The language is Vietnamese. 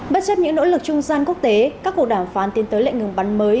bất chấp những nỗ lực trung gian quốc tế các cuộc đàm phán tiến tới lệnh ngừng bắn mới